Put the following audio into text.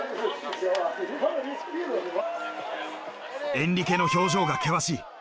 エンリケの表情が険しい。